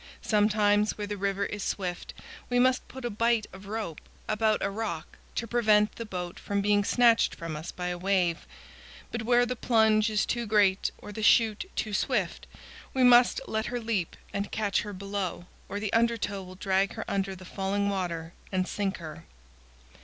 Sometimes, where the river is swift, we must put a bight of rope about a rock, to prevent the boat from being snatched from us by a wave; but where the plunge is too great or the chute too swift, we must let her leap and catch her below or the undertow will drag her under the falling water and sink her.